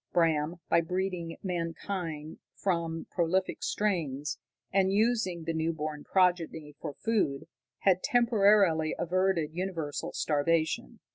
Bram, by breeding mankind from prolific strains, and using the new born progeny for food, had temporarily averted universal starvation.